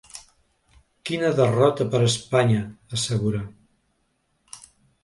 Quina derrota per a Espanya, assegura.